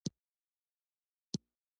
هرات د افغانستان د اجتماعي جوړښت برخه ده.